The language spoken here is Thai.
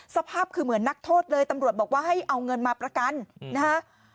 สภาพคือเหมือนนักโทษเลยตำรวจบอกว่าให้เอาเงินมาประกันนะฮะ